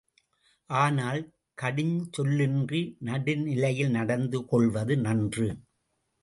ஆனால் கடுஞ்சொல்லின்றி நடுநிலையில் நடந்து கொள்வது நன்று.